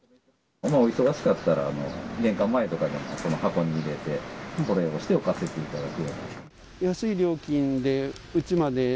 お忙しかったら玄関前とかでも箱に入れてこれをして置かせていただく。